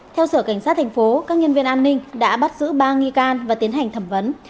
theo sở cảnh sát thành phố các nhân viên an ninh đã bắt giữ ba nghi can và tiến hành thẩm vấn